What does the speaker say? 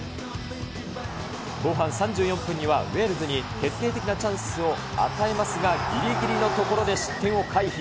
後半３４分には、ウェールズに決定的なチャンスを与えますが、ぎりぎりのところで失点を回避。